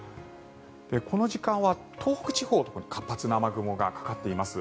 この時間は東北地方のところに活発な雨雲がかかっています。